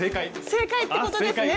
正解ってことですね！